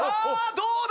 どうだ！？